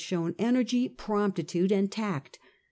with shown energy, promptitude and tact.